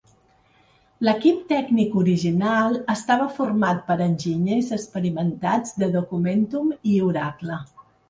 L'equip tècnic original estava format per enginyers experimentats de Documentum i Oracle.